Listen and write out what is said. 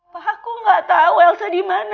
papa aku gak tahu elsa di mana